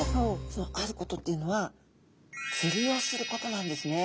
そのあることっていうのは釣りをすることなんですね。